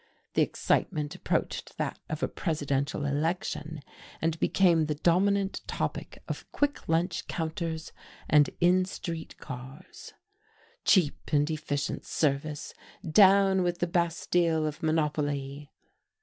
The excitement approached that of a presidential election, and became the dominant topic at quick lunch counters and in street cars. Cheap and efficient service! Down with the Bastille of monopoly!